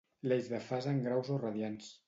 L'eix de fase en graus o radiants.